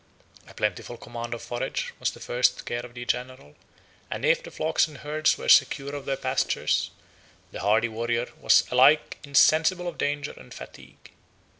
A plentiful command of forage was the first care of the general, and if the flocks and herds were secure of their pastures, the hardy warrior was alike insensible of danger and fatigue.